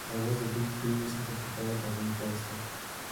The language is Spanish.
La voz de Big Bear es interpretada por Wayne Forester.